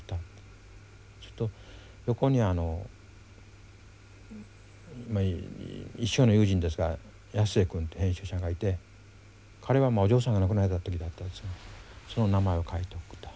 すると横に一生の友人ですが安江君って編集者がいて彼はお嬢さんが亡くなられた時だったんですがその名前を書いて送った。